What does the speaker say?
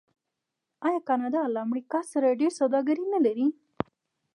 آیا کاناډا له امریکا سره ډیره سوداګري نلري؟